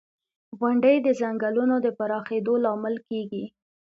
• غونډۍ د ځنګلونو د پراخېدو لامل کېږي.